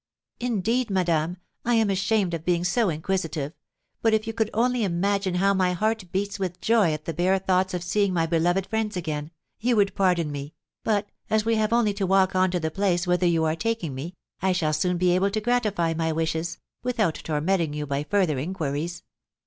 "Indeed, madame, I am ashamed of seeming so inquisitive, but if you could only imagine how my heart beats with joy at the bare thoughts of seeing my beloved friends again, you would pardon me; but, as we have only to walk on to the place whither you are taking me, I shall soon be able to gratify my wishes, without tormenting you by further inquiries."